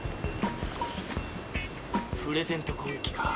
プレゼント攻撃か。